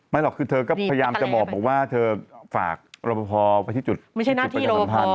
หรอกคือเธอก็พยายามจะบอกว่าเธอฝากรับพอไปที่จุดประชาสัมพันธ